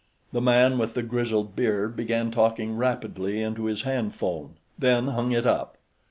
The man with the grizzled beard began talking rapidly into his hand phone, then hung it up.